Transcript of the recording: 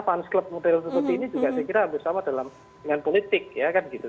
fans club model seperti ini juga saya kira hampir sama dalam dengan politik ya kan gitu